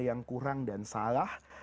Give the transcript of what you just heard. yang kurang dan salah